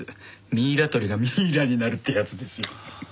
「ミイラ取りがミイラになる」ってやつですよ。